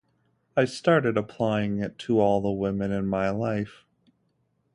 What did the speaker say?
I started applying it to all the women in my life.